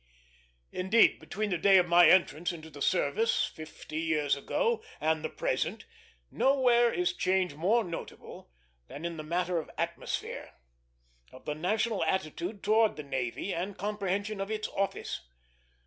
Indeed, between the day of my entrance into the service, fifty years ago, and the present, nowhere is change more notable than in the matter of atmosphere; of the national attitude towards the navy and comprehension of its office.